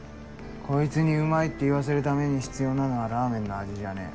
こいつに「うまい」って言わせるために必要なのはラーメンの味じゃねぇ。